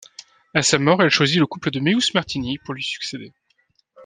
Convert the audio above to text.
À sa mort, elle choisit le couple de Meeûs-Martini pour lui succéder.